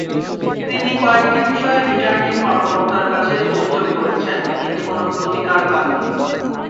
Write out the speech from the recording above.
তিনি কয়েকটি বিষয়ে রিটার্নিং কর্মকর্তার কাছে অভিযোগ করেছেন, কিন্তু কোনো প্রতিকার পাননি।